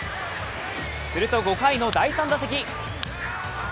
すると５回の第３打席。